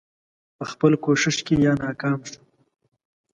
په خپل کوښښ کې یا ناکام شو.